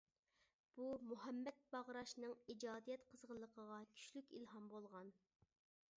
بۇ مۇھەممەت باغراشنىڭ ئىجادىيەت قىزغىنلىقىغا كۈچلۈك ئىلھام بولغان.